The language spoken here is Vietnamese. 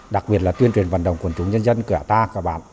đặc biệt là tuyên truyền vận động của chúng dân dân cả ta cả bạn